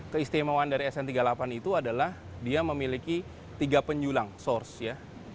keistimewaan dari sn tiga puluh delapan itu adalah dia memiliki tiga penjulang source ya